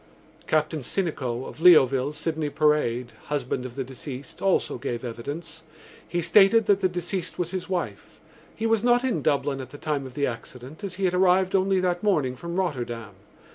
Captain Sinico, of Leoville, Sydney Parade, husband of the deceased, also gave evidence. He stated that the deceased was his wife. He was not in Dublin at the time of the accident as he had arrived only that morning from Rotterdam.